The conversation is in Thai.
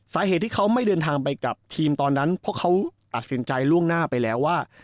สาเหตุที่เขาไม่เดินทางไปกับทีมตอนนั้นเพราะเขาตัดสินใจล่วงหน้าไปแล้วว่า